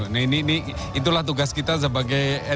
nah ini itulah tugas kita sebagai